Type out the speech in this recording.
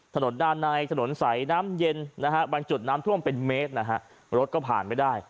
ถนนด้านในถนนสายน้ำเย็นนะฮะบางจุดน้ำท่วมเป็นเมตรนะฮะรถก็ผ่านไม่ได้